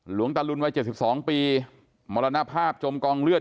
หลวงตาลุนวัยเจ็ดสิบสองปีมอรณภาพย่นกลองเลือด